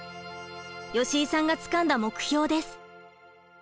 吉井さんがつかんだ目標です。